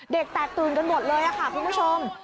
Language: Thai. แตกตื่นกันหมดเลยค่ะคุณผู้ชม